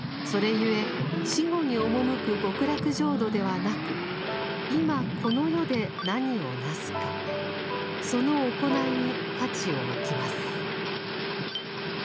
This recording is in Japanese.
ゆえ死後に赴く極楽浄土ではなく今この世で何をなすかその行いに価値を置きます。